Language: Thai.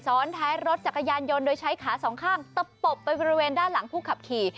ท้ายรถจักรยานยนต์โดยใช้ขาสองข้างตะปบไปบริเวณด้านหลังผู้ขับขี่